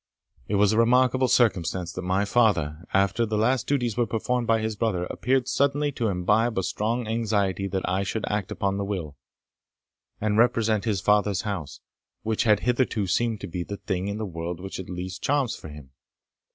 It was a remarkable circumstance that my father, after the last duties were performed to his brother, appeared suddenly to imbibe a strong anxiety that I should act upon the will, and represent his father's house, which had hitherto seemed to be the thing in the world which had least charms for him.